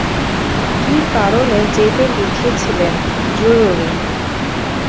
কী কারণে যেতে লিখেছেন, জরুরি।